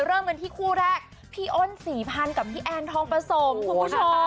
เริ่มกันที่คู่แรกพี่อ้นศรีพันธ์กับพี่แอนทองประสมคุณผู้ชม